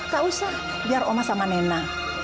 gak usah biar oma sama nena